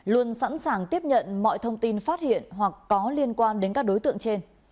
luôn sẵn sàng tiếp nhận mọi thông tin phát hiện hoặc có liên quan đến các đối tượng trên